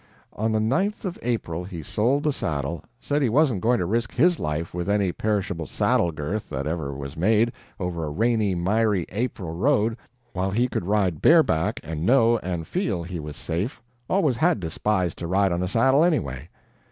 "On the 9th of April he sold the saddle said he wasn't going to risk HIS life with any perishable saddle girth that ever was made, over a rainy, miry April road, while he could ride bareback and know and feel he was safe always HAD despised to ride on a saddle, anyway.